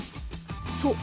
そう。